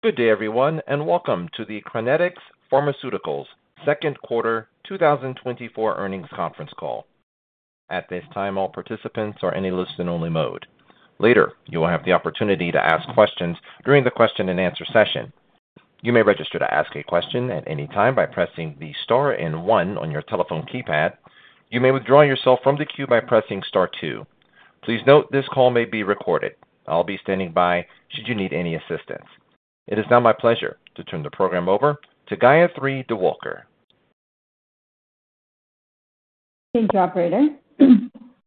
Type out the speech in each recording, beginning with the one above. Good day, everyone, and welcome to the Crinetics Pharmaceuticals Q2 2024 Earnings Conference Call. At this time, all participants are in a listen only mode. Later, you will have the opportunity to ask questions during the question and answer session. You may register to ask a question at any time by pressing the star and one on your telephone keypad. You may withdraw yourself from the queue by pressing star two. Please note, this call may be recorded. I'll be standing by should you need any assistance. It is now my pleasure to turn the program over to Gayathri Dewulkar. Thanks, operator.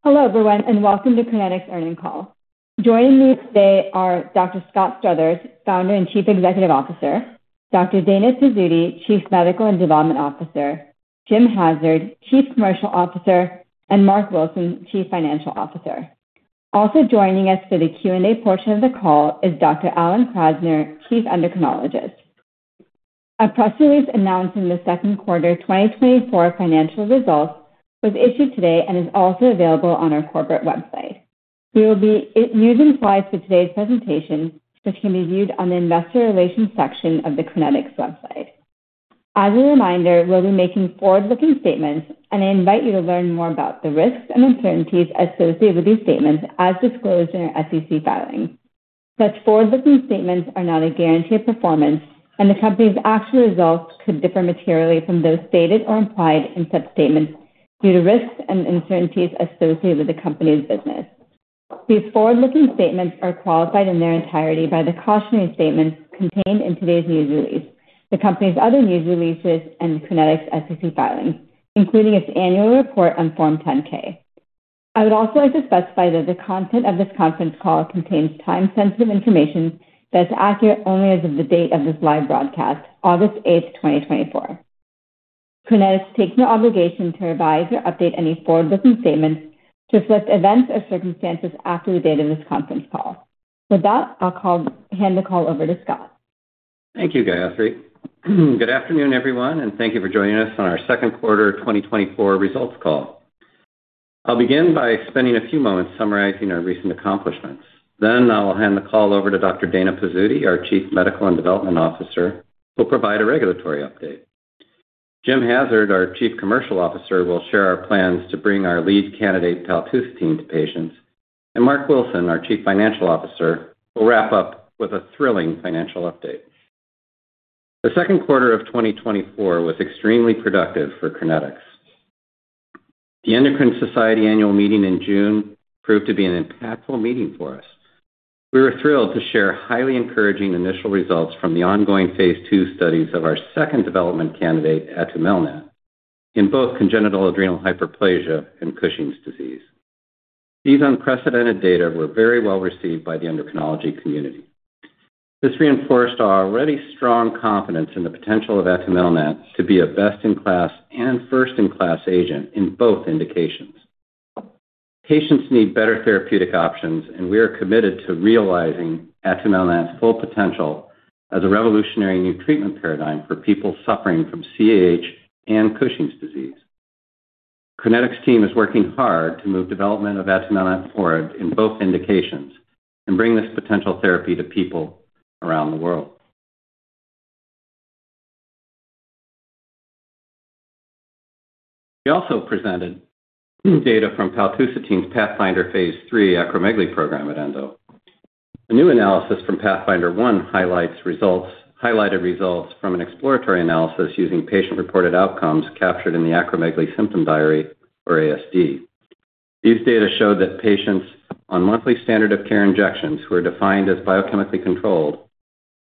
Hello, everyone, and welcome to Crinetics earnings call. Joining me today are Dr. Scott Struthers, Founder and Chief Executive Officer, Dr. Dana Pizzuti, Chief Medical and Development Officer, Jim Hazzard, Chief Commercial Officer, and Marc Wilson, Chief Financial Officer. Also joining us for the Q&A portion of the call is Dr. Alan Krasner, Chief Endocrinologist. A press release announcing the Q2 2024 financial results was issued today and is also available on our corporate website. We will be using slides for today's presentation, which can be viewed on the investor relations section of the Crinetics website. As a reminder, we'll be making forward-looking statements, and I invite you to learn more about the risks and uncertainties associated with these statements as disclosed in our SEC filing. Such forward-looking statements are not a guarantee of performance, and the company's actual results could differ materially from those stated or implied in such statements due to risks and uncertainties associated with the company's business. These forward-looking statements are qualified in their entirety by the cautionary statements contained in today's news release, the company's other news releases, and Crinetics's SEC filings, including its annual report on Form 10-K. I would also like to specify that the content of this conference call contains time-sensitive information that's accurate only as of the date of this live broadcast, August 8, 2024. Crinetics takes no obligation to revise or update any forward-looking statements to reflect events or circumstances after the date of this conference call. With that, I'll hand the call over to Scott. Thank you, Gayathri. Good afternoon, everyone, and thank you for joining us on our Q2 2024 results call. I'll begin by spending a few moments summarizing our recent accomplishments. Then I will hand the call over to Dr. Dana Pizzuti, our Chief Medical and Development Officer, who will provide a regulatory update. Jim Hazzard, our Chief Commercial Officer, will share our plans to bring our lead candidate, paltusotine, to patients. And Marc Wilson, our Chief Financial Officer, will wrap up with a thrilling financial update. The Q2 of 2024 was extremely productive for Crinetics. The Endocrine Society Annual Meeting in June proved to be an impactful meeting for us. We were thrilled to share highly encouraging initial results from the ongoing phase II studies of our second development candidate, atumelnant, in both congenital adrenal hyperplasia and Cushing's disease. These unprecedented data were very well received by the endocrinology community. This reinforced our already strong confidence in the potential of atumelnant to be a best-in-class and first-in-class agent in both indications. Patients need better therapeutic options, and we are committed to realizing atumelnant's full potential as a revolutionary new treatment paradigm for people suffering from CAH and Cushing's disease. Crinetics team is working hard to move development of atumelnant forward in both indications and bring this potential therapy to people around the world. We also presented data from paltusotine's PATHFNDR phase III acromegaly program at Endo. A new analysis from PATHFNDR-1 highlights results from an exploratory analysis using patient-reported outcomes captured in the Acromegaly Symptom Diary, or ASD. These data showed that patients on monthly standard of care injections, who were defined as biochemically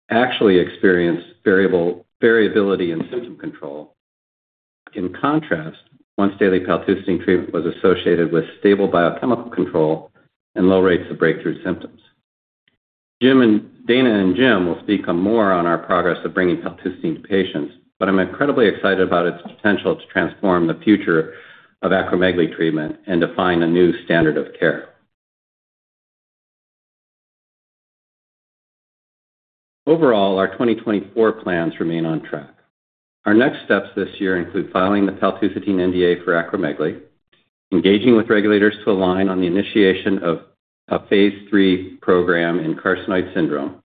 controlled, actually experienced variable variability in symptom control. In contrast, once-daily paltusotine treatment was associated with stable biochemical control and low rates of breakthrough symptoms. Dana and Jim will speak more on our progress of bringing paltusotine to patients, but I'm incredibly excited about its potential to transform the future of acromegaly treatment and define a new standard of care. Overall, our 2024 plans remain on track. Our next steps this year include filing the paltusotine NDA for acromegaly, engaging with regulators to align on the initiation of a phase III program in carcinoid syndrome,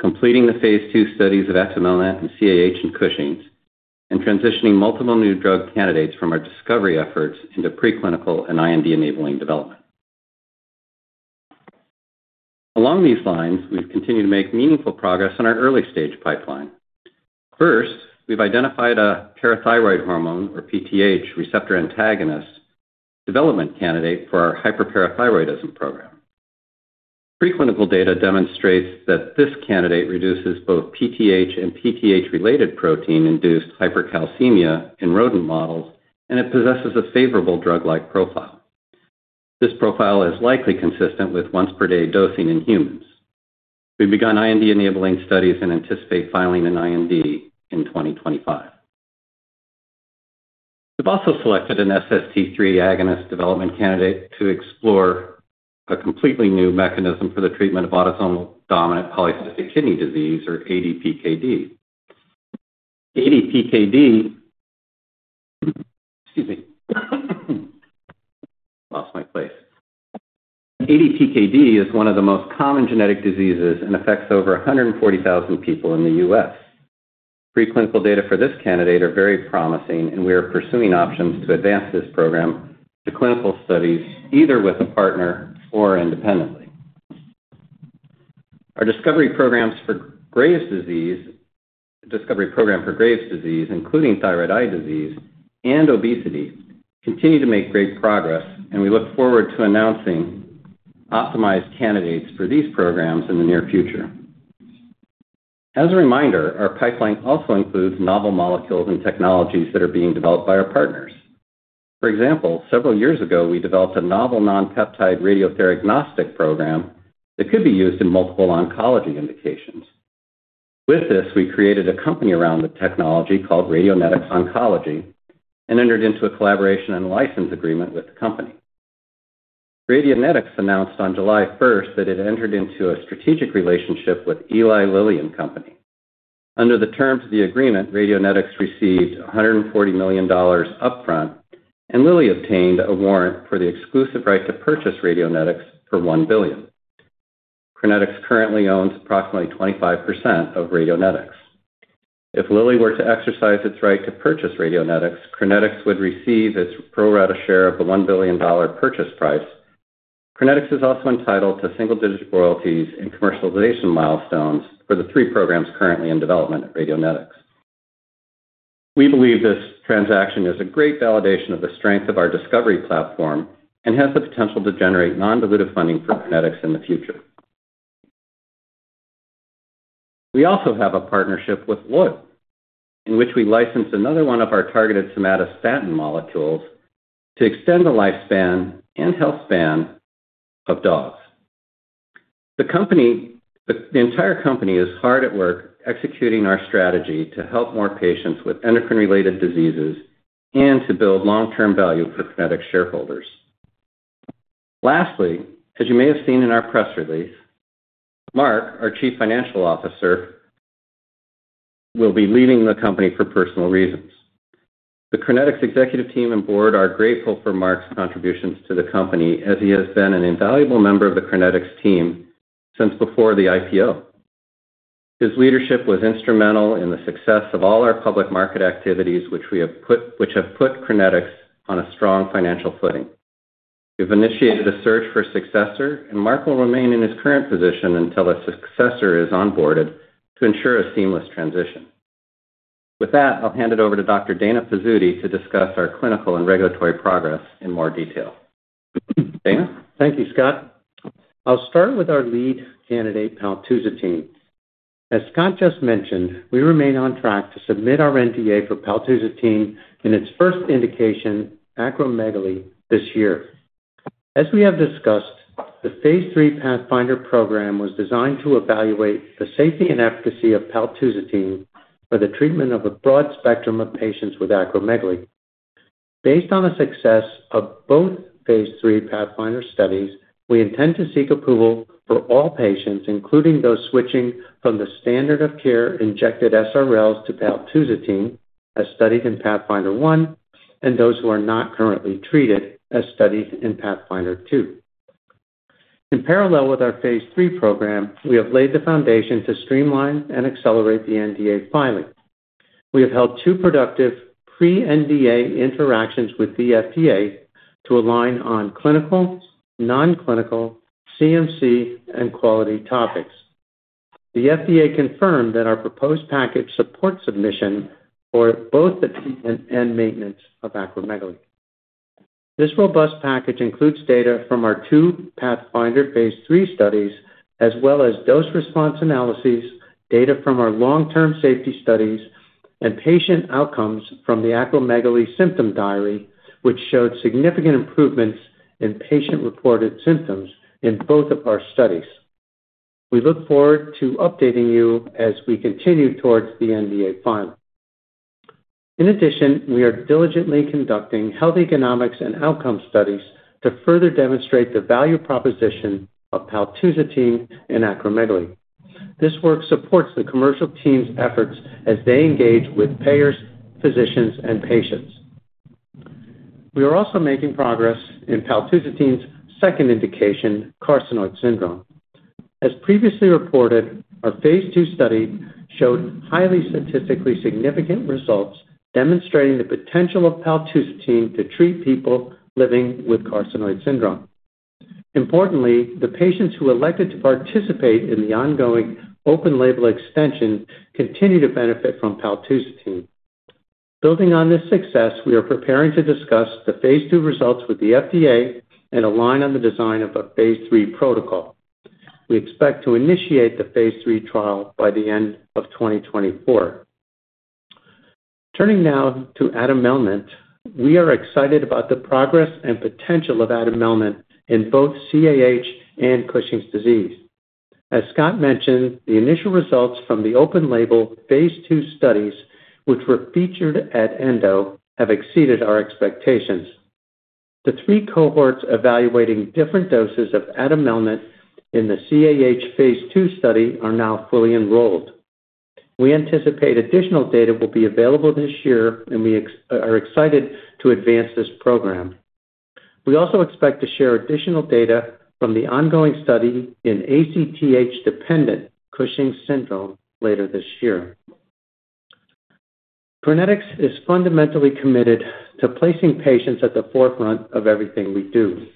completing the phase II studies of atumelnant in CAH and Cushing’s, and transitioning multiple new drug candidates from our discovery efforts into preclinical and IND-enabling development. Along these lines, we've continued to make meaningful progress on our early-stage pipeline. First, we've identified a parathyroid hormone, or PTH, receptor antagonist development candidate for our hyperparathyroidism program. Preclinical data demonstrates that this candidate reduces both PTH and PTH-related protein-induced hypercalcemia in rodent models, and it possesses a favorable drug-like profile. This profile is likely consistent with once-per-day dosing in humans. We've begun IND-enabling studies and anticipate filing an IND in 2025. We've also selected an SST3 agonist development candidate to explore a completely new mechanism for the treatment of autosomal dominant polycystin kidney disease, or ADPKD. ADPKD is one of the most common genetic diseases and affects over 140,000 people in the U.S. Preclinical data for this candidate are very promising, and we are pursuing options to advance this program to clinical studies, either with a partner or independently. Our discovery programs for Graves' disease, including thyroid eye disease and obesity, continue to make great progress, and we look forward to announcing optimized candidates for these programs in the near future. As a reminder, our pipeline also includes novel molecules and technologies that are being developed by our partners. For example, several years ago, we developed a novel non-peptide radiotheranostic program that could be used in multiple oncology indications. With this, we created a company around the technology called Radionetics Oncology, and entered into a collaboration and license agreement with the company. Radionetics announced on July 1st that it entered into a strategic relationship with Eli Lilly and Company. Under the terms of the agreement, Radionetics received $140 million upfront, and Lilly obtained a warrant for the exclusive right to purchase Radionetics for $1 billion. Crinetics currently owns approximately 25% of Radionetics. If Lilly were to exercise its right to purchase Radionetics, Crinetics would receive its pro rata share of the $1 billion purchase price. Crinetics is also entitled to single-digit royalties and commercialization milestones for the 3 programs currently in development at Radionetics. We believe this transaction is a great validation of the strength of our discovery platform and has the potential to generate non-dilutive funding for Crinetics in the future. We also have a partnership with Woof, in which we licensed another one of our targeted somatostatin molecules to extend the lifespan and health span of dogs. The entire company is hard at work, executing our strategy to help more patients with endocrine-related diseases and to build long-term value for Crinetics shareholders. Lastly, as you may have seen in our press release, Marc, our Chief Financial Officer, will be leaving the company for personal reasons. The Crinetics executive team and board are grateful for Marc's contributions to the company, as he has been an invaluable member of the Crinetics team since before the IPO. His leadership was instrumental in the success of all our public market activities, which have put Crinetics on a strong financial footing. We've initiated a search for a successor, and Marc will remain in his current position until a successor is onboarded to ensure a seamless transition. With that, I'll hand it over to Dr. Dana Pizzuti to discuss our clinical and regulatory progress in more detail. Dana? Thank you, Scott. I'll start with our lead candidate, paltusotine. As Scott just mentioned, we remain on track to submit our NDA for paltusotine in its first indication, acromegaly, this year. As we have discussed, the phase III PATHFNDR program was designed to evaluate the safety and efficacy of paltusotine for the treatment of a broad spectrum of patients with acromegaly. Based on the success of both phase III PATHFNDR studies, we intend to seek approval for all patients, including those switching from the standard of care, injected SRLs to paltusotine, as studied in PATHFNDR-1, and those who are not currently treated, as studied in PATHFNDR-2. In parallel with our phase III program, we have laid the foundation to streamline and accelerate the NDA filing. We have held two productive pre-NDA interactions with the FDA to align on clinical, non-clinical, CMC, and quality topics. The FDA confirmed that our proposed package supports submission for both the treatment and maintenance of acromegaly. This robust package includes data from our two PATHFNDR phase III studies, as well as dose-response analyses, data from our long-term safety studies, and patient outcomes from the Acromegaly Symptom Diary, which showed significant improvements in patient-reported symptoms in both of our studies. We look forward to updating you as we continue towards the NDA filing. In addition, we are diligently conducting health economics and outcome studies to further demonstrate the value proposition of paltusotine in acromegaly. This work supports the commercial team's efforts as they engage with payers, physicians, and patients. We are also making progress in paltusotine's second indication, carcinoid syndrome. As previously reported, our phase II study showed highly statistically significant results, demonstrating the potential of paltusotine to treat people living with carcinoid syndrome. Importantly, the patients who elected to participate in the ongoing open label extension continued to benefit from paltusotine. Building on this success, we are preparing to discuss the phase II results with the FDA and align on the design of a phase III protocol. We expect to initiate the phase III trial by the end of 2024. Turning now to atumelnant. We are excited about the progress and potential of atumelnant in both CAH and Cushing's disease. As Scott mentioned, the initial results from the open label phase II studies, which were featured at Endo, have exceeded our expectations. The three cohorts evaluating different doses of atumelnant in the CAH phase II study are now fully enrolled. We anticipate additional data will be available this year, and we are excited to advance this program. We also expect to share additional data from the ongoing study in ACTH-dependent Cushing’s syndrome later this year. Crinetics is fundamentally committed to placing patients at the forefront of everything we do.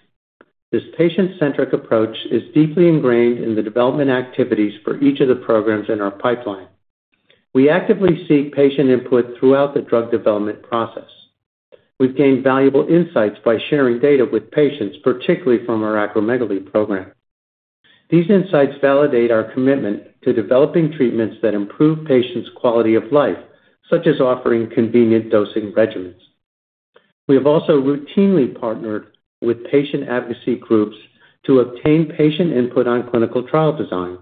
This patient-centric approach is deeply ingrained in the development activities for each of the programs in our pipeline. We actively seek patient input throughout the drug development process. We’ve gained valuable insights by sharing data with patients, particularly from our acromegaly program. These insights validate our commitment to developing treatments that improve patients’ quality of life, such as offering convenient dosing regimens. We have also routinely partnered with patient advocacy groups to obtain patient input on clinical trial design.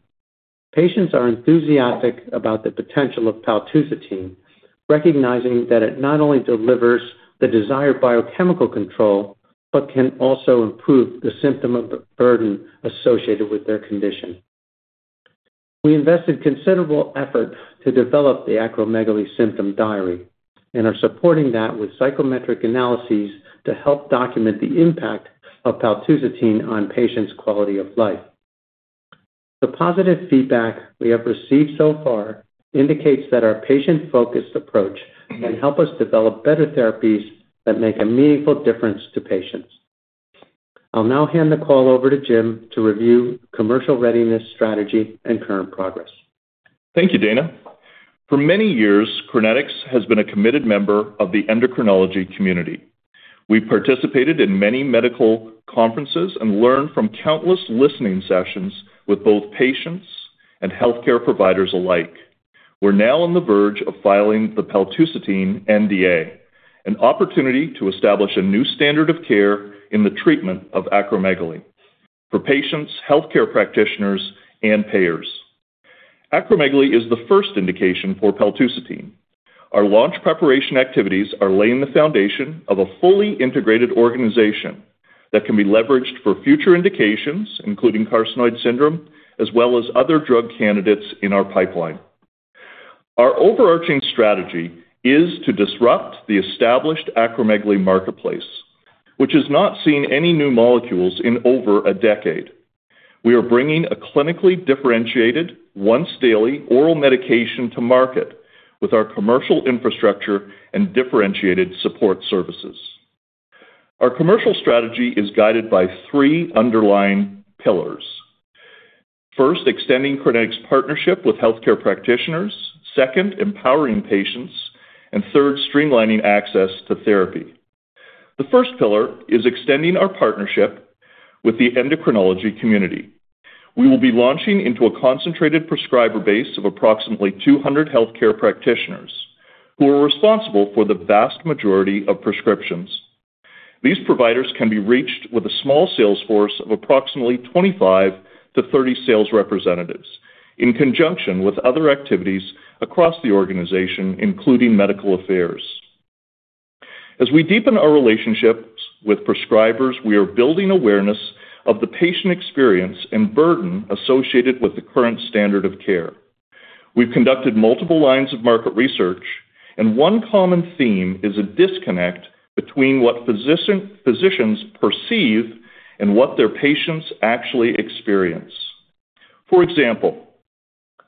Patients are enthusiastic about the potential of paltusotine, recognizing that it not only delivers the desired biochemical control, but can also improve the symptom of the burden associated with their condition. We invested considerable effort to develop the Acromegaly Symptom Diary and are supporting that with psychometric analyses to help document the impact of paltusotine on patients' quality of life. The positive feedback we have received so far indicates that our patient-focused approach can help us develop better therapies that make a meaningful difference to patients. I'll now hand the call over to Jim to review commercial readiness, strategy, and current progress. Thank you, Dana. For many years, Crinetics has been a committed member of the endocrinology community. We participated in many medical conferences and learned from countless listening sessions with both patients and healthcare providers alike. We're now on the verge of filing the paltusotine NDA, an opportunity to establish a new standard of care in the treatment of acromegaly for patients, healthcare practitioners, and payers. Acromegaly is the first indication for paltusotine. Our launch preparation activities are laying the foundation of a fully integrated organization that can be leveraged for future indications, including carcinoid syndrome, as well as other drug candidates in our pipeline. Our overarching strategy is to disrupt the established acromegaly marketplace, which has not seen any new molecules in over a decade. We are bringing a clinically differentiated, once-daily oral medication to market with our commercial infrastructure and differentiated support services. Our commercial strategy is guided by three underlying pillars. First, extending Crinetics partnership with healthcare practitioners, second, empowering patients, and third, streamlining access to therapy. The first pillar is extending our partnership with the endocrinology community. We will be launching into a concentrated prescriber base of approximately 200 healthcare practitioners, who are responsible for the vast majority of prescriptions. These providers can be reached with a small sales force of approximately 25-30 sales representatives, in conjunction with other activities across the organization, including medical affairs. As we deepen our relationships with prescribers, we are building awareness of the patient experience and burden associated with the current standard of care. We've conducted multiple lines of market research, and one common theme is a disconnect between what physicians perceive and what their patients actually experience. For example,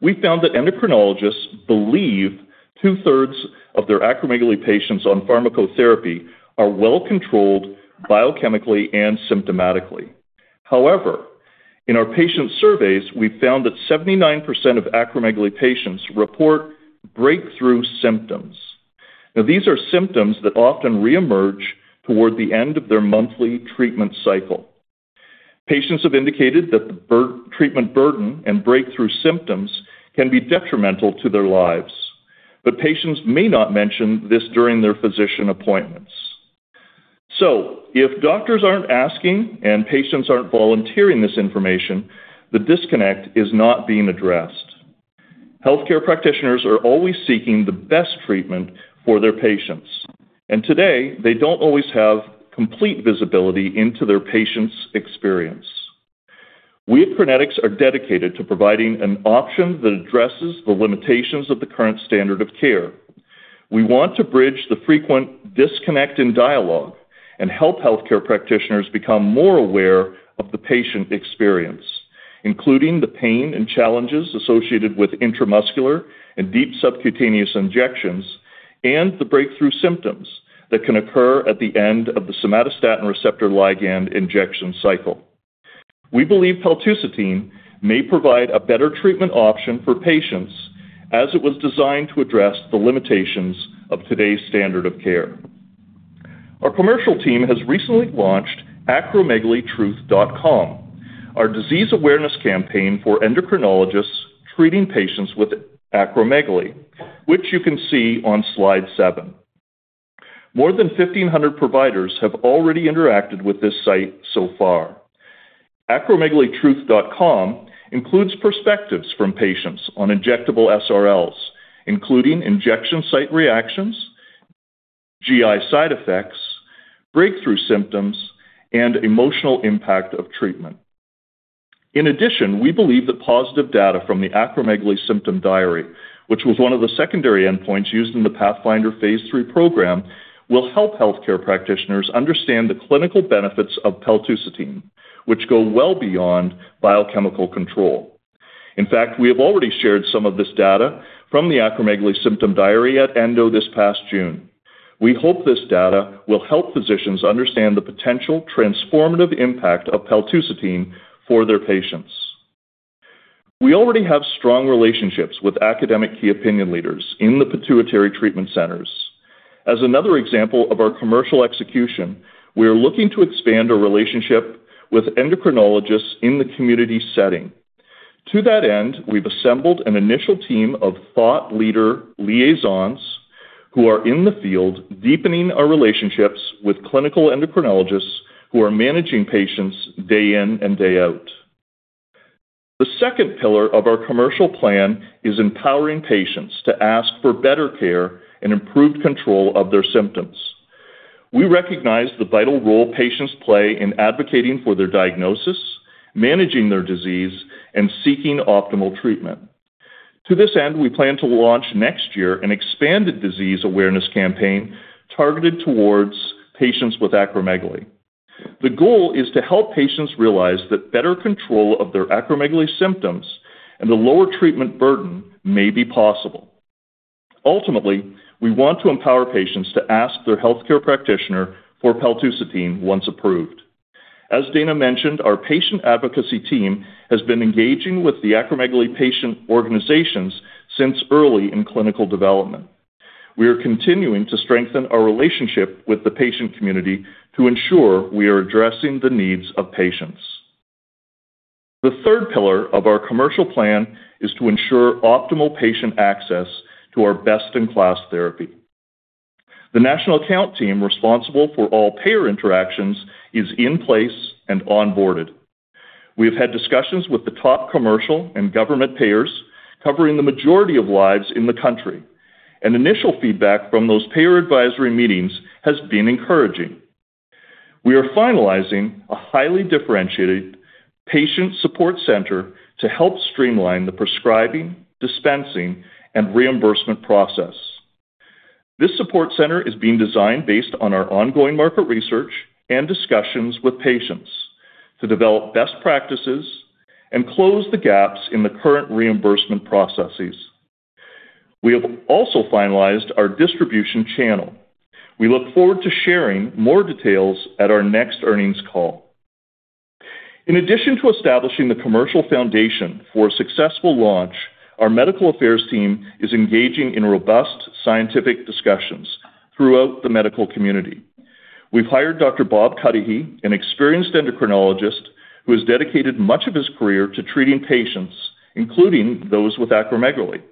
we found that endocrinologists believe two-thirds of their acromegaly patients on pharmacotherapy are well-controlled biochemically and symptomatically. However, in our patient surveys, we found that 79% of acromegaly patients report breakthrough symptoms. Now, these are symptoms that often reemerge toward the end of their monthly treatment cycle. Patients have indicated that the treatment burden and breakthrough symptoms can be detrimental to their lives, but patients may not mention this during their physician appointments. So if doctors aren't asking and patients aren't volunteering this information, the disconnect is not being addressed. Healthcare practitioners are always seeking the best treatment for their patients, and today, they don't always have complete visibility into their patient's experience. We at Crinetics are dedicated to providing an option that addresses the limitations of the current standard of care. We want to bridge the frequent disconnect in dialogue and help healthcare practitioners become more aware of the patient experience, including the pain and challenges associated with intramuscular and deep subcutaneous injections, and the breakthrough symptoms that can occur at the end of the somatostatin receptor ligand injection cycle. We believe paltusotine may provide a better treatment option for patients as it was designed to address the limitations of today's standard of care. Our commercial team has recently launched acromegalytruth.com, our disease awareness campaign for endocrinologists treating patients with acromegaly, which you can see on slide 7. More than 1,500 providers have already interacted with this site so far. Acromegalytruth.com includes perspectives from patients on injectable SRLs, including injection site reactions, GI side effects, breakthrough symptoms, and emotional impact of treatment. In addition, we believe that positive data from the Acromegaly Symptom Diary, which was one of the secondary endpoints used in the PATHFNDR phase III program, will help healthcare practitioners understand the clinical benefits of paltusotine, which go well beyond biochemical control. In fact, we have already shared some of this data from the Acromegaly Symptom Diary at Endo this past June. We hope this data will help physicians understand the potential transformative impact of paltusotine for their patients. We already have strong relationships with academic key opinion leaders in the pituitary treatment centers. As another example of our commercial execution, we are looking to expand our relationship with endocrinologists in the community setting. To that end, we've assembled an initial team of thought leader liaisons who are in the field, deepening our relationships with clinical endocrinologists who are managing patients day in and day out. The second pillar of our commercial plan is empowering patients to ask for better care and improved control of their symptoms. We recognize the vital role patients play in advocating for their diagnosis, managing their disease, and seeking optimal treatment. To this end, we plan to launch next year an expanded disease awareness campaign targeted towards patients with acromegaly. The goal is to help patients realize that better control of their acromegaly symptoms and a lower treatment burden may be possible. Ultimately, we want to empower patients to ask their healthcare practitioner for paltusotine once approved. As Dana mentioned, our patient advocacy team has been engaging with the Acromegaly Patient Organizations since early in clinical development. We are continuing to strengthen our relationship with the patient community to ensure we are addressing the needs of patients. The third pillar of our commercial plan is to ensure optimal patient access to our best-in-class therapy. The national account team, responsible for all payer interactions, is in place and onboarded. We have had discussions with the top commercial and government payers, covering the majority of lives in the country, and initial feedback from those payer advisory meetings has been encouraging. We are finalizing a highly differentiated patient support center to help streamline the prescribing, dispensing, and reimbursement process. This support center is being designed based on our ongoing market research and discussions with patients to develop best practices and close the gaps in the current reimbursement processes. We have also finalized our distribution channel. We look forward to sharing more details at our next earnings call. In addition to establishing the commercial foundation for a successful launch, our medical affairs team is engaging in robust scientific discussions throughout the medical community. We've hired Dr. Bob Cudahy, an experienced endocrinologist, who has dedicated much of his career to treating patients, including those with acromegaly,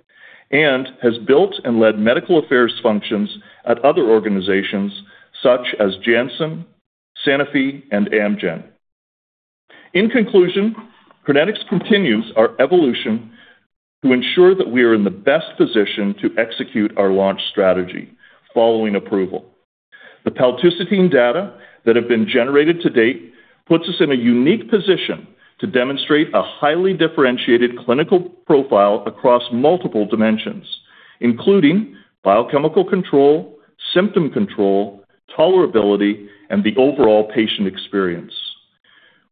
and has built and led medical affairs functions at other organizations such as Janssen, Sanofi, and Amgen. In conclusion, Crinetics continues our evolution to ensure that we are in the best position to execute our launch strategy following approval. The paltusotine data that have been generated to date puts us in a unique position to demonstrate a highly differentiated clinical profile across multiple dimensions, including biochemical control, symptom control, tolerability, and the overall patient experience.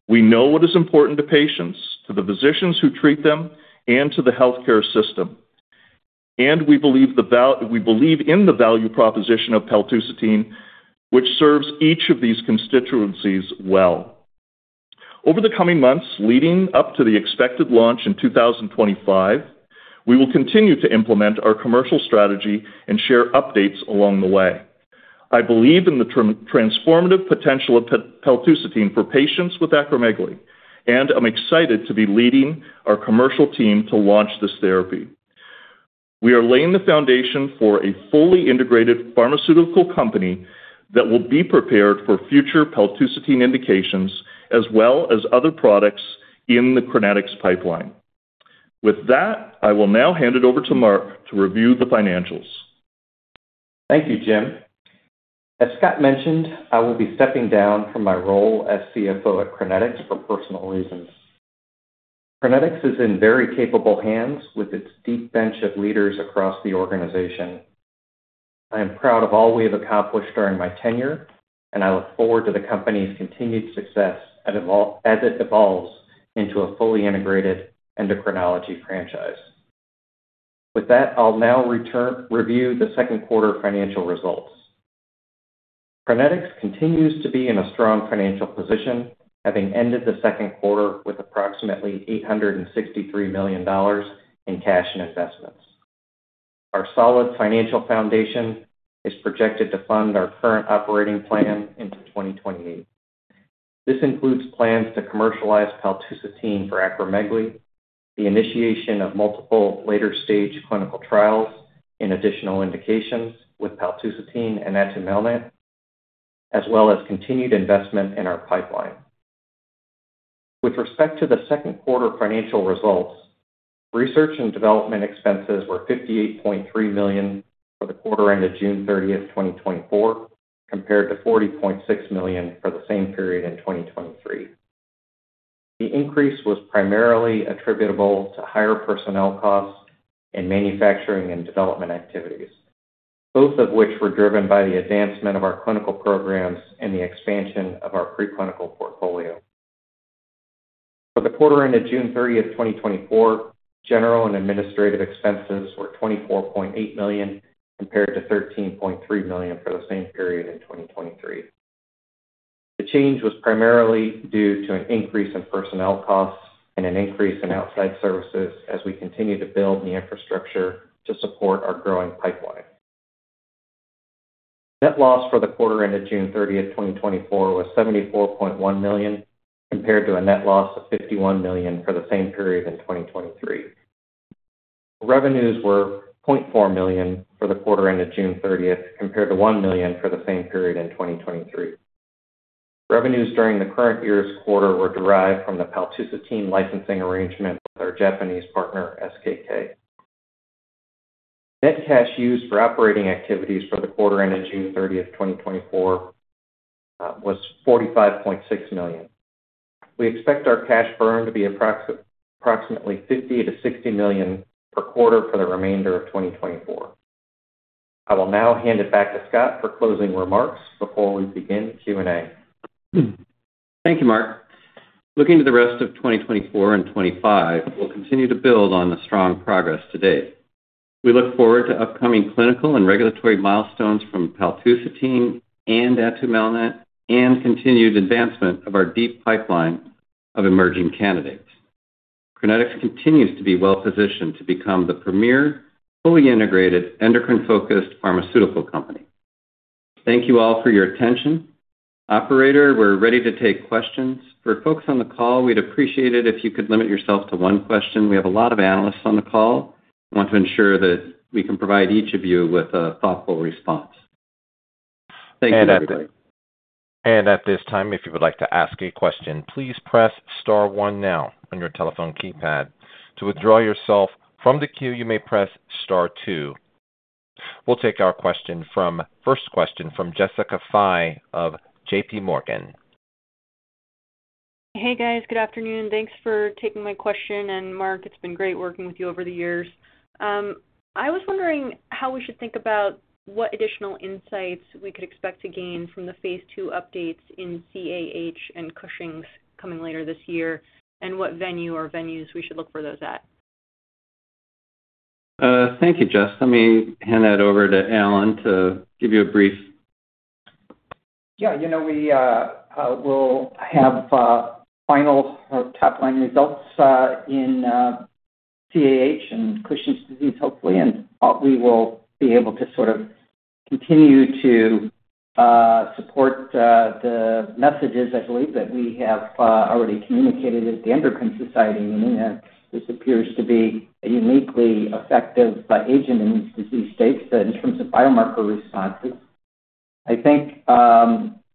We know what is important to patients, to the physicians who treat them, and to the healthcare system, and we believe in the value proposition of paltusotine, which serves each of these constituencies well. Over the coming months, leading up to the expected launch in 2025, we will continue to implement our commercial strategy and share updates along the way. I believe in the transformative potential of paltusotine for patients with acromegaly, and I'm excited to be leading our commercial team to launch this therapy. We are laying the foundation for a fully integrated pharmaceutical company that will be prepared for future paltusotine indications, as well as other products in the Crinetics pipeline. With that, I will now hand it over to Marc to review the financials. Thank you, Jim. As Scott mentioned, I will be stepping down from my role as CFO at Crinetics for personal reasons. Crinetics is in very capable hands with its deep bench of leaders across the organization. I am proud of all we have accomplished during my tenure, and I look forward to the company's continued success as it evolves into a fully integrated endocrinology franchise. With that, I'll now turn to review the Q2 financial results. Crinetics continues to be in a strong financial position, having ended the Q2 with approximately $863 million in cash and investments. Our solid financial foundation is projected to fund our current operating plan into 2028. This includes plans to commercialize paltusotine for acromegaly, the initiation of multiple later-stage clinical trials in additional indications with paltusotine and atumelnant, as well as continued investment in our pipeline. With respect to the Q2 financial results, research and development expenses were $58.3 million for the quarter ended June 30, 2024, compared to $40.6 million for the same period in 2023. The increase was primarily attributable to higher personnel costs and manufacturing and development activities, both of which were driven by the advancement of our clinical programs and the expansion of our preclinical portfolio. For the quarter ended June 30, 2024, general and administrative expenses were $24.8 million, compared to $13.3 million for the same period in 2023. The change was primarily due to an increase in personnel costs and an increase in outside services as we continue to build the infrastructure to support our growing pipeline. Net loss for the quarter ended June 30, 2024, was $74.1 million, compared to a net loss of $51 million for the same period in 2023. Revenues were $0.4 million for the quarter ended June 30, compared to $1 million for the same period in 2023. Revenues during the current year's quarter were derived from the paltusotine licensing arrangement with our Japanese partner, SKK. Net cash used for operating activities for the quarter ended June 30, 2024, was $45.6 million. We expect our cash burn to be approximately $50 million-$60 million per quarter for the remainder of 2024. I will now hand it back to Scott for closing remarks before we begin the Q&A. Thank you, Marc. Looking to the rest of 2024 and 2025, we'll continue to build on the strong progress to date. We look forward to upcoming clinical and regulatory milestones from paltusotine and atumelnant, and continued advancement of our deep pipeline of emerging candidates. Crinetics continues to be well-positioned to become the premier, fully integrated, endocrine-focused pharmaceutical company. Thank you all for your attention. Operator, we're ready to take questions. For folks on the call, we'd appreciate it if you could limit yourself to one question. We have a lot of analysts on the call, want to ensure that we can provide each of you with a thoughtful response. Thank you, everybody. At this time, if you would like to ask a question, please press star one now on your telephone keypad. To withdraw yourself from the queue, you may press star two. We'll take our question from... first question from Jessica Fye of J.P. Morgan. Hey, guys. Good afternoon. Thanks for taking my question, and Marc, it's been great working with you over the years. I was wondering how we should think about what additional insights we could expect to gain from the phase II updates in CAH and Cushing's coming later this year, and what venue or venues we should look for those at? Thank you, Jess. Let me hand that over to Alan to give you a brief. Yeah, you know, we'll have final or top-line results in CAH and Cushing's disease, hopefully, and we will be able to sort of continue to support the messages, I believe, that we have already communicated at the Endocrine Society meeting, that this appears to be a uniquely effective agent in these disease states in terms of biomarker responses. I think,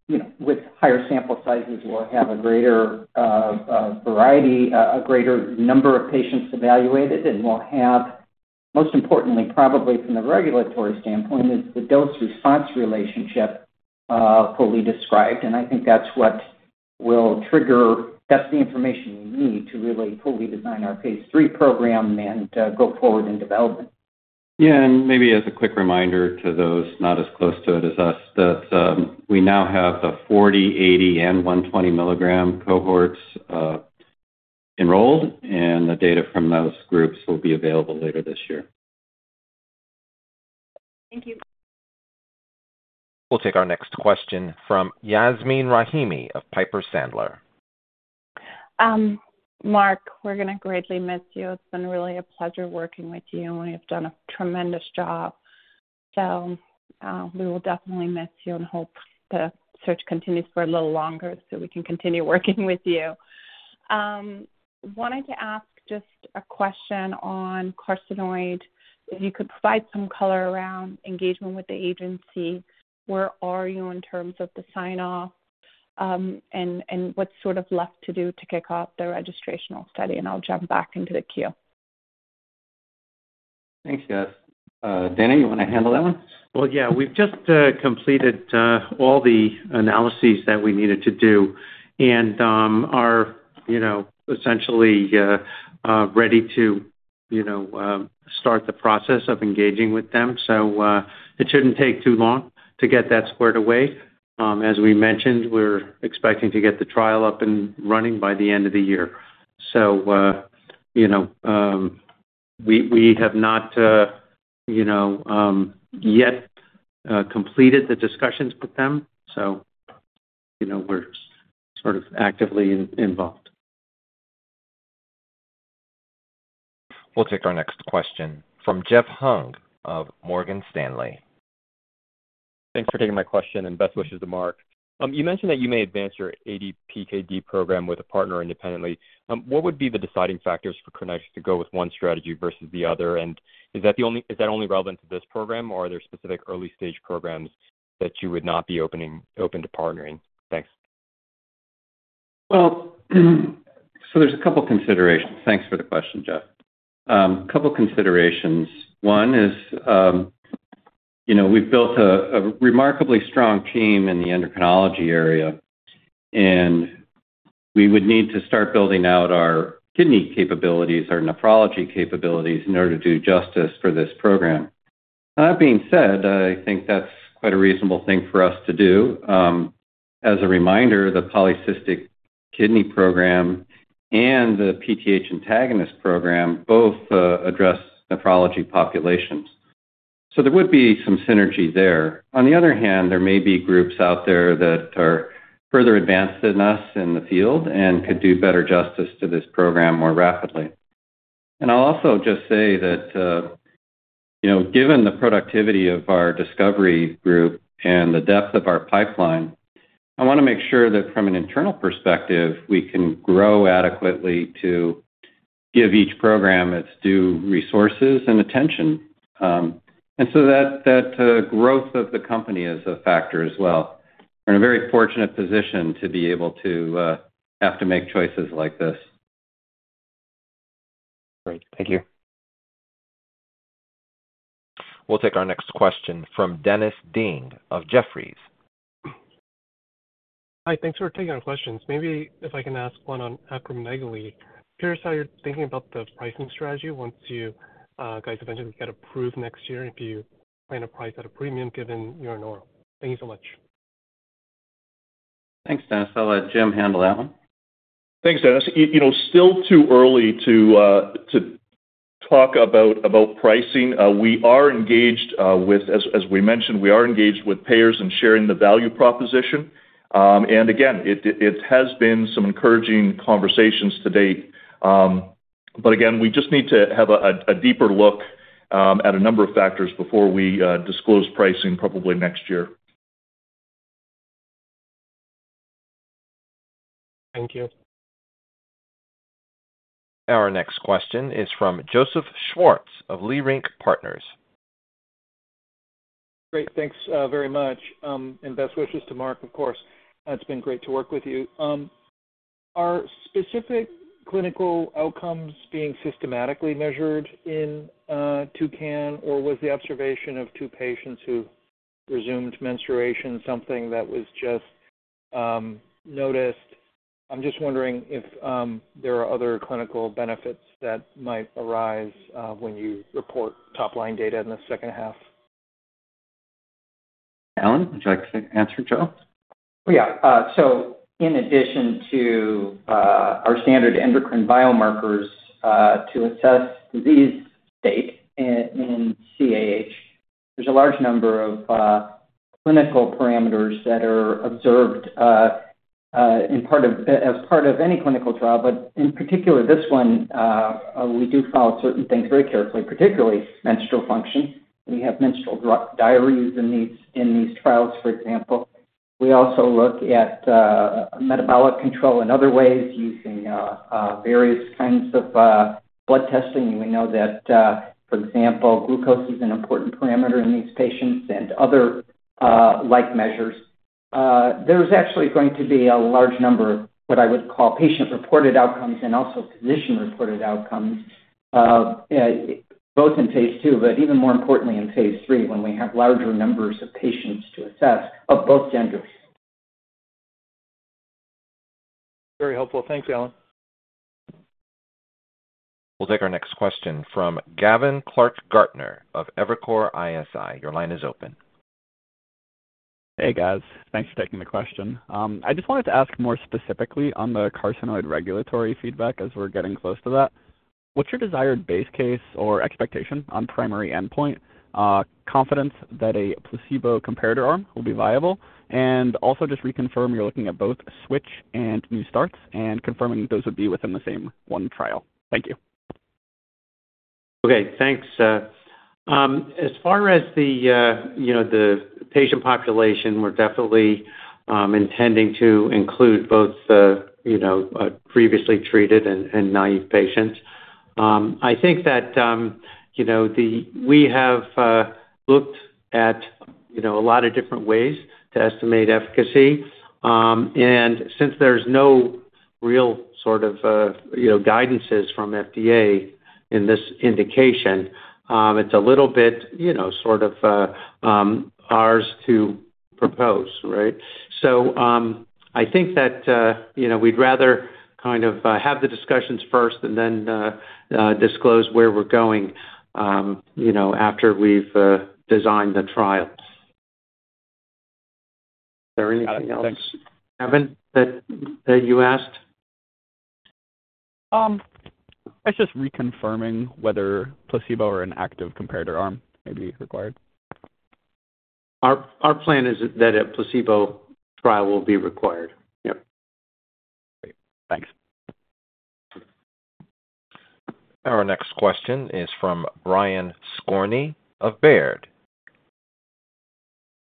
you know, with higher sample sizes, we'll have a greater variety, a greater number of patients evaluated, and we'll have, most importantly, probably from the regulatory standpoint, is the dose-response relationship fully described. And I think that's what will trigger... That's the information we need to really fully design our phase III program and go forward in development. Yeah, and maybe as a quick reminder to those not as close to it as us, that we now have the 40, 80, and 120 milligram cohorts enrolled, and the data from those groups will be available later this year. Thank you. We'll take our next question from Yasmin Rahimi of Piper Sandler. Marc, we're gonna greatly miss you. It's been really a pleasure working with you, and you've done a tremendous job. So, we will definitely miss you and hope the search continues for a little longer so we can continue working with you. Wanted to ask just a question on carcinoid. If you could provide some color around engagement with the agency, where are you in terms of the sign-off, and, and what's sort of left to do to kick off the registrational study? And I'll jump back into the queue. Thanks, Yas. Dana, you want to handle that one? Well, yeah, we've just completed all the analyses that we needed to do and are, you know, essentially ready to, you know, start the process of engaging with them. So, it shouldn't take too long to get that squared away. As we mentioned, we're expecting to get the trial up and running by the end of the year. So, you know, we, we have not, you know, yet completed the discussions with them, so, you know, we're sort of actively involved. We'll take our next question from Jeff Hung of Morgan Stanley. Thanks for taking my question, and best wishes to Marc. You mentioned that you may advance your ADPKD program with a partner independently. What would be the deciding factors for Crinetics to go with one strategy versus the other? And is that only relevant to this program, or are there specific early-stage programs that you would not be open to partnering? Thanks. Well, so there's a couple considerations. Thanks for the question, Jeff. Couple considerations. One is, you know, we've built a remarkably strong team in the endocrinology area, and we would need to start building out our kidney capabilities, our nephrology capabilities, in order to do justice for this program. That being said, I think that's quite a reasonable thing for us to do. As a reminder, the polycystin kidney program and the PTH antagonist program both address nephrology populations. So there would be some synergy there. On the other hand, there may be groups out there that are further advanced than us in the field and could do better justice to this program more rapidly. I'll also just say that, you know, given the productivity of our discovery group and the depth of our pipeline, I wanna make sure that from an internal perspective, we can grow adequately to give each program its due resources and attention. And so that growth of the company is a factor as well. We're in a very fortunate position to be able to have to make choices like this. Great. Thank you. We'll take our next question from Dennis Ding of Jefferies. Hi, thanks for taking our questions. Maybe if I can ask one on acromegaly. Curious how you're thinking about the pricing strategy once you, guys eventually get approved next year, if you plan to price at a premium given your normal. Thank you so much. Thanks, Dennis. I'll let Jim handle that one. Thanks, Dennis. You know, still too early to talk about pricing. We are engaged with... As we mentioned, we are engaged with payers in sharing the value proposition. And again, it has been some encouraging conversations to date. But again, we just need to have a deeper look at a number of factors before we disclose pricing probably next year. Thank you. Our next question is from Joseph Schwartz of Leerink Partners. Great, thanks, very much, and best wishes to Marc, of course. It's been great to work with you. Are specific clinical outcomes being systematically measured in TouCAHn, or was the observation of two patients who resumed menstruation something that was just noticed? I'm just wondering if there are other clinical benefits that might arise when you report top-line data in the second half. Alan, would you like to answer Joe? Yeah. So in addition to our standard endocrine biomarkers to assess disease state in CAH, there's a large number of clinical parameters that are observed as part of any clinical trial, but in particular, this one, we do follow certain things very carefully, particularly menstrual function. We have menstrual diaries in these trials, for example. We also look at metabolic control in other ways, using various kinds of blood testing. We know that, for example, glucose is an important parameter in these patients and other like measures. There's actually going to be a large number, what I would call patient-reported outcomes and also physician-reported outcomes, both in phase II, but even more importantly, in phase III, when we have larger numbers of patients to assess of both genders. Very helpful. Thanks, Alan. We'll take our next question from Gavin Clark-Gardner of Evercore ISI. Your line is open. Hey, guys. Thanks for taking the question. I just wanted to ask more specifically on the carcinoid regulatory feedback as we're getting close to that. What's your desired base case or expectation on primary endpoint, confidence that a placebo comparator arm will be viable? And also just reconfirm you're looking at both switch and new starts and confirming those would be within the same one trial. Thank you. Okay, thanks. As far as the, you know, the patient population, we're definitely intending to include both, you know, previously treated and naive patients. I think that, you know, then we have looked at, you know, a lot of different ways to estimate efficacy. And since there's no real sort of, you know, guidances from FDA in this indication, it's a little bit, you know, sort of, ours to propose, right? So, I think that, you know, we'd rather kind of have the discussions first and then disclose where we're going, you know, after we've designed the trials. Is there anything else, Gavin, that you asked? I was just reconfirming whether placebo or an active comparator arm may be required. Our plan is that a placebo trial will be required. Yep. Great. Thanks. Our next question is from Brian Scorney of Baird.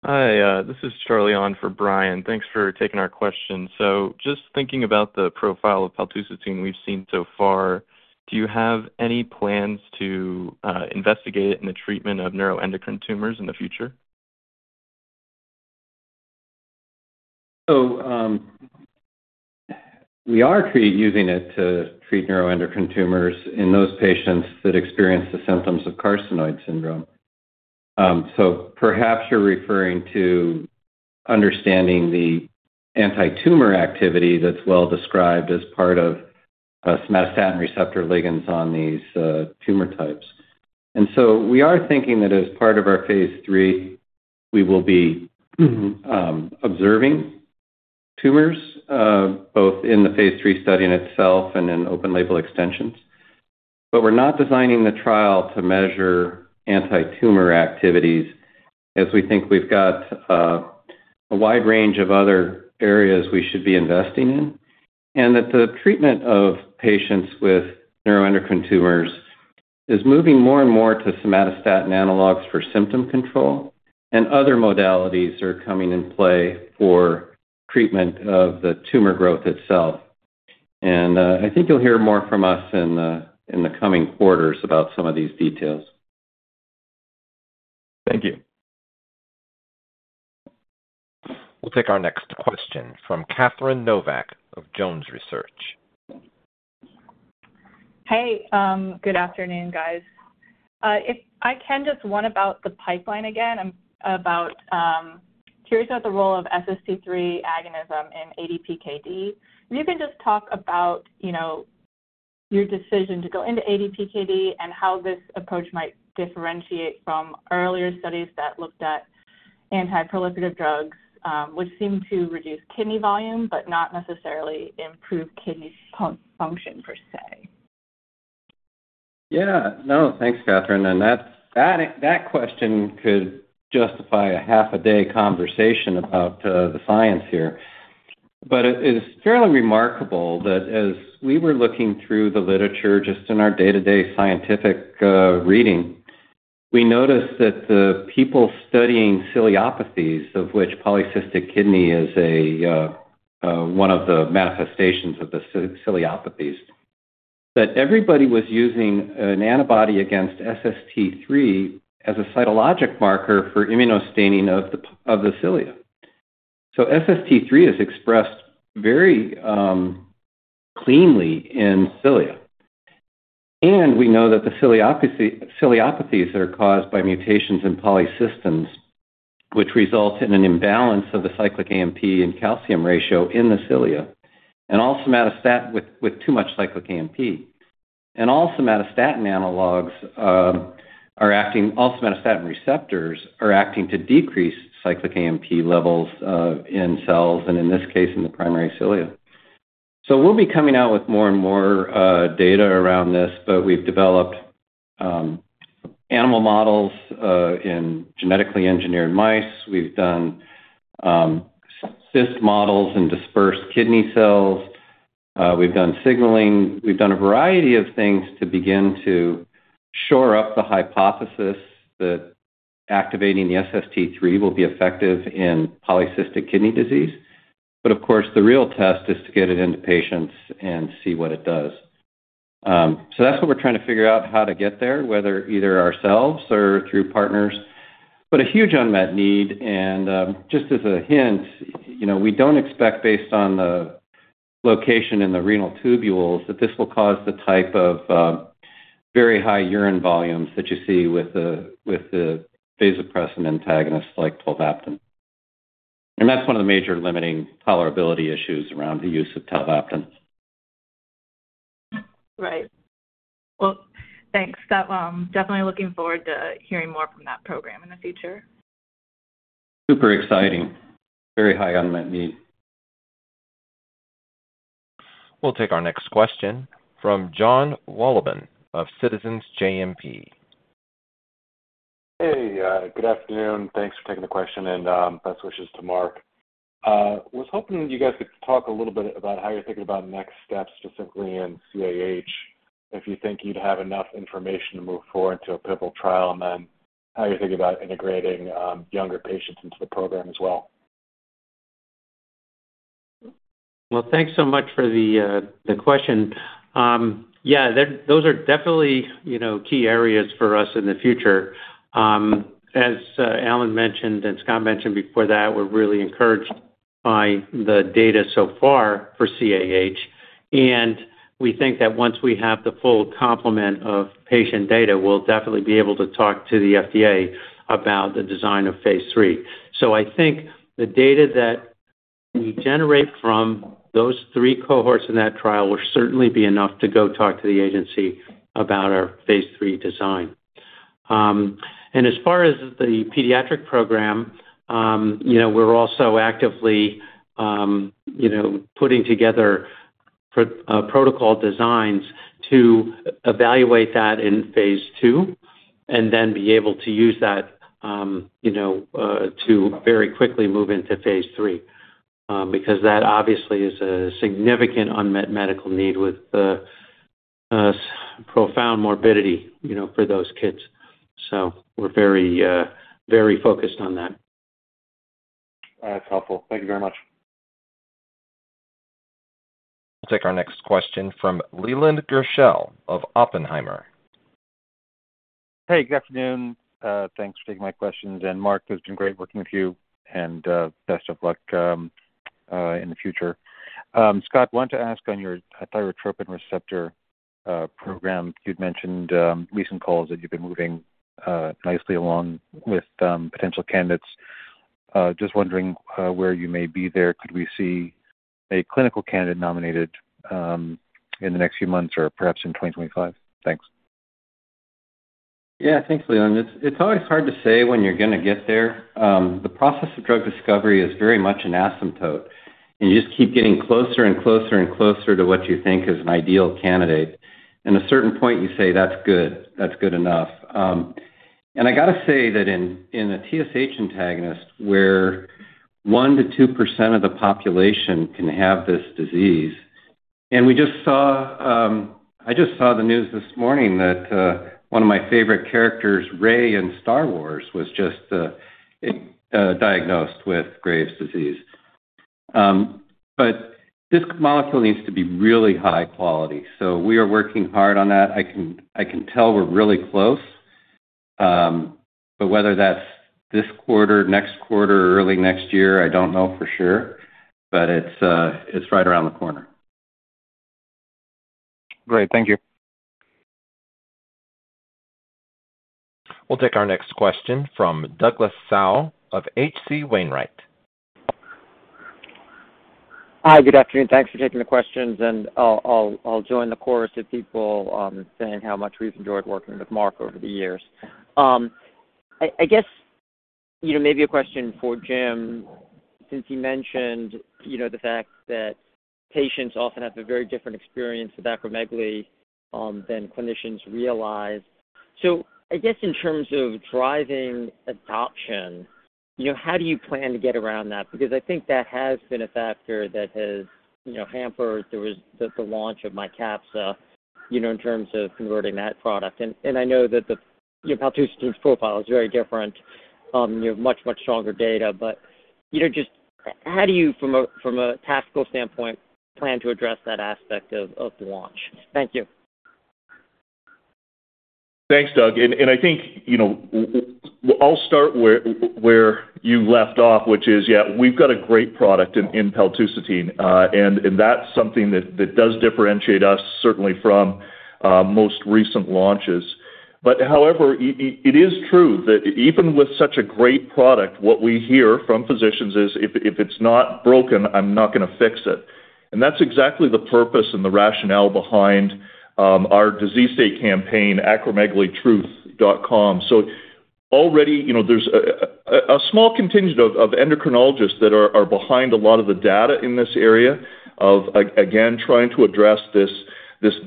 Hi, this is Charlie on for Brian. Thanks for taking our question. So just thinking about the profile of paltusotine we've seen so far, do you have any plans to investigate it in the treatment of neuroendocrine tumors in the future? So, we are using it to treat neuroendocrine tumors in those patients that experience the symptoms of carcinoid syndrome. So perhaps you're referring to understanding the antitumor activity that's well described as part of somatostatin receptor ligands on these tumor types. And so we are thinking that as part of our phase III, we will be observing tumors both in the phase III study in itself and in open label extensions. But we're not designing the trial to measure antitumor activities, as we think we've got a wide range of other areas we should be investing in, and that the treatment of patients with neuroendocrine tumors is moving more and more to somatostatin analogs for symptom control, and other modalities are coming in play for treatment of the tumor growth itself. I think you'll hear more from us in the coming quarters about some of these details. Thank you. We'll take our next question from Catherine Novak of Jones Trading. Hey, good afternoon, guys. If I can, just one about the pipeline again, curious about the role of SST3 agonism in ADPKD. If you can just talk about, you know, your decision to go into ADPKD and how this approach might differentiate from earlier studies that looked at anti-proliferative drugs, which seemed to reduce kidney volume, but not necessarily improve kidney function per se. Yeah. No, thanks, Catherine, and that question could justify a half a day conversation about the science here. But it's fairly remarkable that as we were looking through the literature, just in our day-to-day scientific reading, we noticed that the people studying ciliopathies, of which polycystin kidney is one of the manifestations of the ciliopathies, that everybody was using an antibody against SST3 as a cytologic marker for immunostaining of the cilia. So SST3 is expressed very cleanly in cilia, and we know that the ciliopathies are caused by mutations in polycystin, which results in an imbalance of the cyclic AMP and calcium ratio in the cilia, and all somatostatin with too much cyclic AMP. And all somatostatin analogs are acting... All somatostatin receptors are acting to decrease cyclic AMP levels in cells, and in this case, in the primary cilia. So we'll be coming out with more and more data around this, but we've developed animal models in genetically engineered mice. We've done cyst models in dispersed kidney cells. We've done signaling. We've done a variety of things to begin to shore up the hypothesis that activating the SST3 will be effective in polycystin kidney disease. But of course, the real test is to get it into patients and see what it does. So that's what we're trying to figure out, how to get there, whether either ourselves or through partners, but a huge unmet need. Just as a hint, you know, we don't expect based on the location in the renal tubules, that this will cause the type of very high urine volumes that you see with the vasopressin antagonists, like tolvaptan. That's one of the major limiting tolerability issues around the use of tolvaptan. Right. Well, thanks. Definitely looking forward to hearing more from that program in the future. Super exciting. Very high unmet need. We'll take our next question from John Wolleben of Citizens JMP. Hey, good afternoon. Thanks for taking the question, and, best wishes to Marc. Was hoping you guys could talk a little bit about how you're thinking about next steps, specifically in CAH, if you think you'd have enough information to move forward to a pivotal trial, and then how you think about integrating, younger patients into the program as well? Well, thanks so much for the question. Yeah, those are definitely, you know, key areas for us in the future. As Alan mentioned, and Scott mentioned before that, we're really encouraged by the data so far for CAH, and we think that once we have the full complement of patient data, we'll definitely be able to talk to the FDA about the design of phase III. So I think the data that we generate from those three cohorts in that trial will certainly be enough to go talk to the agency about our phase III design. And as far as the pediatric program, you know, we're also actively, you know, putting together protocol designs to evaluate that in phase II, and then be able to use that, you know, to very quickly move into phase III. Because that obviously is a significant unmet medical need with a profound morbidity, you know, for those kids. So we're very, very focused on that. That's helpful. Thank you very much. We'll take our next question from Leland Gerschel of Oppenheimer. Hey, good afternoon. Thanks for taking my questions. And Marc, it's been great working with you, and, best of luck in the future. Scott, wanted to ask on your thyrotropin receptor program. You'd mentioned recent calls that you've been moving nicely along with potential candidates. Just wondering where you may be there. Could we see a clinical candidate nominated in the next few months or perhaps in 2025? Thanks. Yeah. Thanks, Leland. It's always hard to say when you're gonna get there. The process of drug discovery is very much an asymptote, and you just keep getting closer and closer and closer to what you think is an ideal candidate. In a certain point, you say, "That's good. That's good enough." And I gotta say that in a TSH antagonist, where 1%-2% of the population can have this disease, and we just saw-- I just saw the news this morning that one of my favorite characters, Rey in Star Wars, was just diagnosed with Graves' disease. But this molecule needs to be really high quality, so we are working hard on that. I can tell we're really close. But whether that's this quarter, next quarter, or early next year, I don't know for sure, but it's right around the corner. Great. Thank you. We'll take our next question from Douglas Tsao of H.C. Wainwright. Hi, good afternoon. Thanks for taking the questions, and I'll join the chorus of people saying how much we've enjoyed working with Marc over the years. I guess, you know, maybe a question for Jim, since you mentioned, you know, the fact that patients often have a very different experience with acromegaly than clinicians realize. So I guess, in terms of driving adoption, you know, how do you plan to get around that? Because I think that has been a factor that has, you know, hampered the launch of Mycapssa, you know, in terms of converting that product. And I know that the, you know, paltusotine's profile is very different. You have much, much stronger data, but, you know, just how do you, from a tactical standpoint, plan to address that aspect of the launch? Thank you. Thanks, Doug. And I think, you know, well, I'll start where you left off, which is, yeah, we've got a great product in paltusotine. And that's something that does differentiate us, certainly, from most recent launches. But however, it is true that even with such a great product, what we hear from physicians is: "If it's not broken, I'm not gonna fix it." And that's exactly the purpose and the rationale behind our disease state campaign, acromegalytruth.com. So already, you know, there's a small contingent of endocrinologists that are behind a lot of the data in this area of again, trying to address this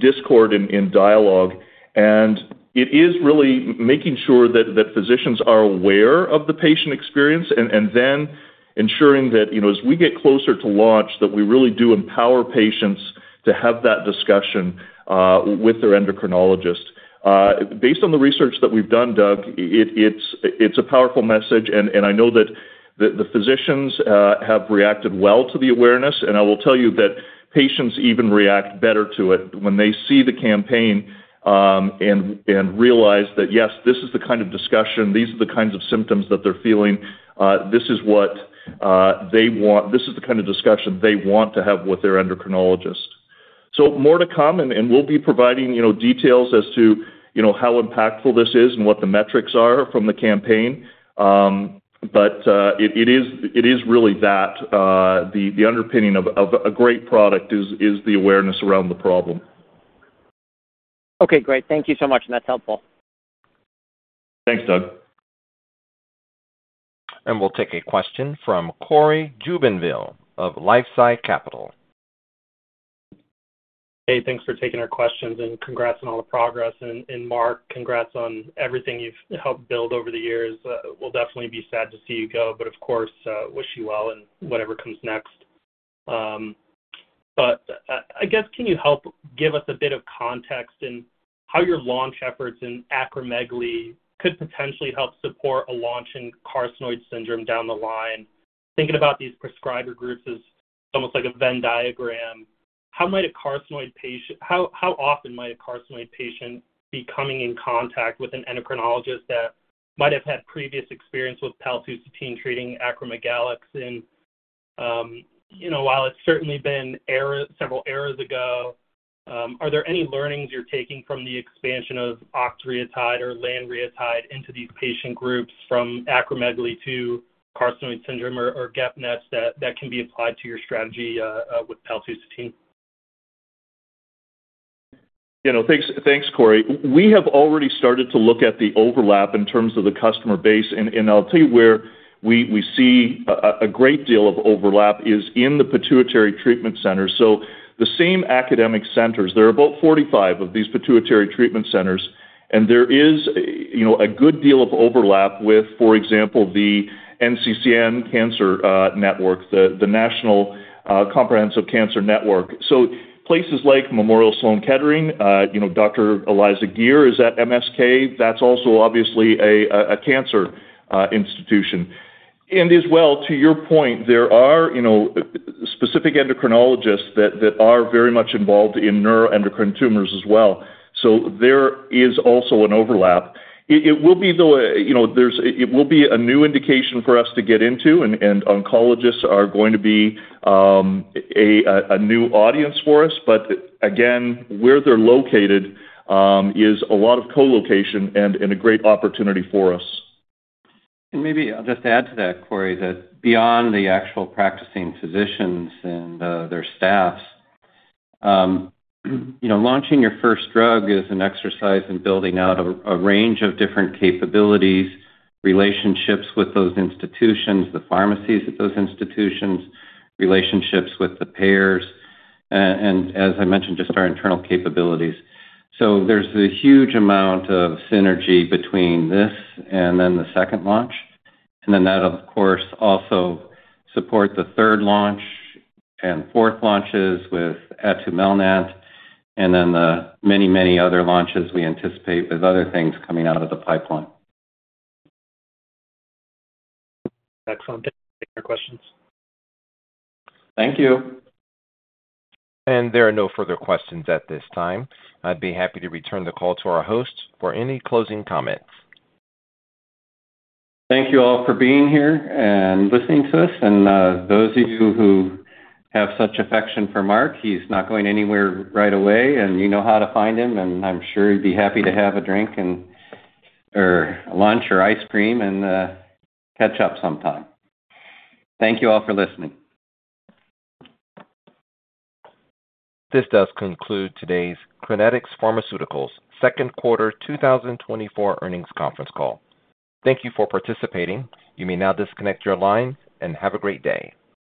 discord in dialogue. It is really making sure that physicians are aware of the patient experience and then ensuring that, you know, as we get closer to launch, that we really do empower patients to have that discussion with their endocrinologist. Based on the research that we've done, Doug, it's a powerful message, and I know that the physicians have reacted well to the awareness. I will tell you that patients even react better to it when they see the campaign and realize that, yes, this is the kind of discussion, these are the kinds of symptoms that they're feeling. This is what they want. This is the kind of discussion they want to have with their endocrinologist. So more to come, and we'll be providing, you know, details as to, you know, how impactful this is and what the metrics are from the campaign. But it is really that the underpinning of a great product is the awareness around the problem. Okay, great. Thank you so much. That's helpful. Thanks, Doug. We'll take a question from Cory Jubinville of LifeSci Capital. Hey, thanks for taking our questions, and congrats on all the progress. Marc, congrats on everything you've helped build over the years. We'll definitely be sad to see you go, but of course, wish you well in whatever comes next. I guess, can you help give us a bit of context in how your launch efforts in acromegaly could potentially help support a launch in carcinoid syndrome down the line? Thinking about these prescriber groups as almost like a Venn diagram, how might a carcinoid patient - how often might a carcinoid patient be coming in contact with an endocrinologist that might have had previous experience with paltusotine treating acromegalics? You know, while it's certainly been years, several years ago, are there any learnings you're taking from the expansion of octreotide or lanreotide into these patient groups, from acromegaly to carcinoid syndrome or GEP-NET that can be applied to your strategy with paltusotine? You know, thanks, thanks, Cory. We have already started to look at the overlap in terms of the customer base, and I'll tell you where we see a great deal of overlap is in the pituitary treatment center. So the same academic centers, there are about 45 of these pituitary treatment centers, and there is, you know, a good deal of overlap with, for example, the NCCN, the National Comprehensive Cancer Network. So places like Memorial Sloan Kettering, you know, Dr. Eliza Geer is at MSK. That's also obviously a cancer institution. And as well, to your point, there are, you know, specific endocrinologists that are very much involved in neuroendocrine tumors as well. So there is also an overlap. It will be, though, you know, there's a new indication for us to get into, and oncologists are going to be a new audience for us. But again, where they're located is a lot of co-location and a great opportunity for us. And maybe I'll just add to that, Cory, that beyond the actual practicing physicians and their staffs, you know, launching your first drug is an exercise in building out a range of different capabilities, relationships with those institutions, the pharmacies at those institutions, relationships with the payers, and as I mentioned, just our internal capabilities. So there's a huge amount of synergy between this and then the second launch, and then that, of course, also support the third launch and fourth launches with atumelnant, and then the many, many other launches we anticipate with other things coming out of the pipeline. Excellent. Take your questions. Thank you. There are no further questions at this time. I'd be happy to return the call to our host for any closing comments. Thank you all for being here and listening to us. And, those of you who have such affection for Marc, he's not going anywhere right away, and you know how to find him, and I'm sure he'd be happy to have a drink and, or lunch or ice cream and, catch up sometime. Thank you all for listening. This does conclude today's Crinetics Pharmaceuticals Q2 2024 Earnings Conference Call. Thank you for participating. You may now disconnect your line, and have a great day.